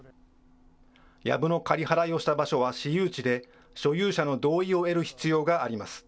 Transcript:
やぶの刈り払いをした場所は私有地で、所有者の同意を得る必要があります。